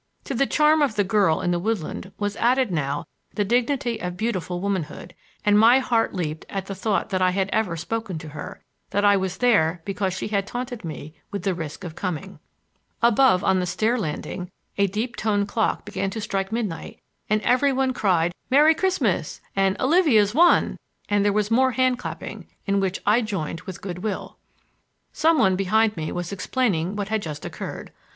To the charm of the girl in the woodland was added now the dignity of beautiful womanhood, and my heart leaped at the thought that I had ever spoken to her, that I was there because she had taunted me with the risk of coming. [Illustration: At the top of the stair, her height accented by her gown of white, stood Marian Devereux.] Above, on the stair landing, a deep toned clock began to strike midnight and every one cried "Merry Christmas!" and "Olivia's won!" and there was more hand clapping, in which I joined with good will. Some one behind me was explaining what had just occurred.